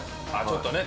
ちょっとね